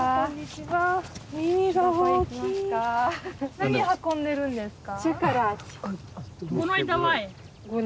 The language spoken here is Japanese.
何運んでるんですか？